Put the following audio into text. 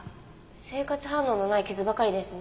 生活反応のない傷ばかりですね。